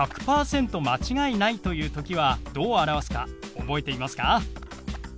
間違いないという時はどう表すか覚えていますか？